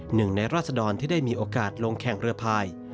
หนึ่งในราศดรที่ได้มีโอกาสลงแข่งเรือพาย